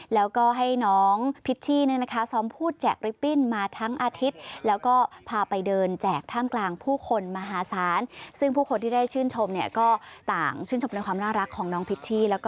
แล้วก็ให้น้องพิษชี่ซ้อมพูดแจกริปปิ้นมาทั้งอาทิตย์